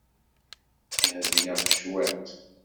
Hebleɣ cwiṭ.